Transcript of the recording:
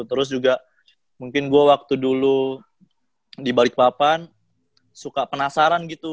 terus juga mungkin gue waktu dulu di balikpapan suka penasaran gitu